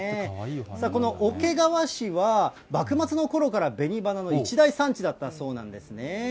この桶川市は、幕末のころからべに花の一大産地だったそうなんですね。